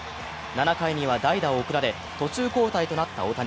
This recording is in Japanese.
７回には代打を送られ途中交代となった大谷。